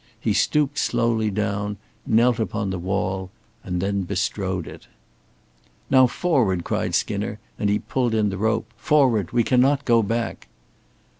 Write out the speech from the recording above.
He stooped slowly down, knelt upon the wall, then bestrode it. "Now, forward," cried Skinner, and he pulled in the rope. "Forward. We cannot go back!"